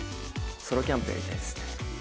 ソロキャンプやりたいですね。